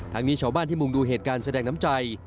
นี้ชาวบ้านที่มุงดูเหตุการณ์แสดงน้ำใจ